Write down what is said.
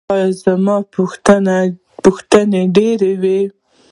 ایا زما پوښتنې ډیرې وې؟